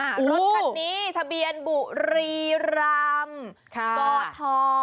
รถคันนี้ทะเบียนบุรีรำกท